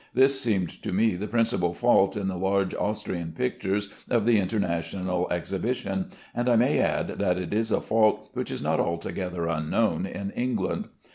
This seemed to me the principal fault in the large Austrian pictures of the International Exhibition; and I may add that it is a fault which is not altogether unknown in England.